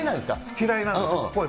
嫌いなんです。